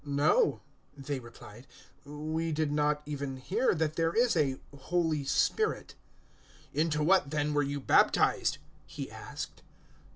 "No," they replied, "we did not even hear that there is a Holy Spirit." 019:003 "Into what then were you baptized?" he asked.